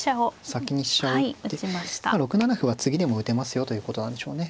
先に飛車を打って６七歩は次でも打てますよということなんでしょうね。